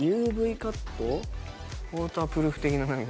ウオータープルーフ的な。